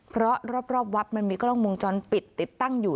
เพราะรอบวัดมันมีกล้องวงจรปิดติดตั้งอยู่